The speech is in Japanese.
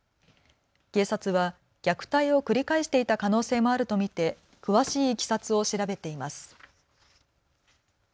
警察は虐待を繰り返していた可能性もあると見て詳しいいきさつを調べています。